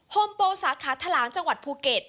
โฮมโปสาขาทะลางจังหวัดภูเก็ต